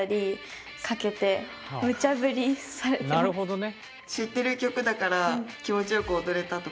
なるほどね。